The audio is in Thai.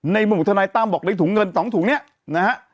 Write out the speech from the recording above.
ในมุมของทนายตั้มบอกได้ถุงเงิน๒ถุงเนี่ยนะฮะ